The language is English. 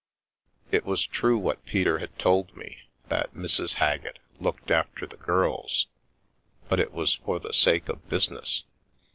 It was true, what Peter had told me, that Mrs. Haggett " looked after the girls," but it was for the sake of business.